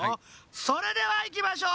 それではいきましょう！